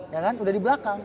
ya kan udah di belakang